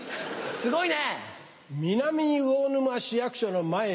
すごいね。